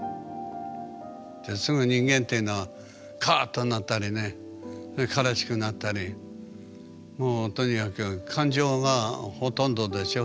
すぐ人間っていうのはカーッとなったりね悲しくなったりもうとにかく感情がほとんどでしょ？